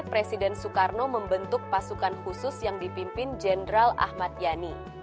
presiden soekarno membentuk pasukan khusus yang dipimpin jenderal ahmad yani